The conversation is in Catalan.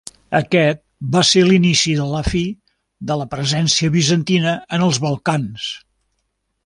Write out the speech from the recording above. Aquest va ser l'inici de la fi de la presència bizantina en els Balcans.